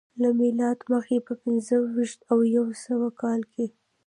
له میلاده مخکې په پنځه ویشت او یو سوه کال کې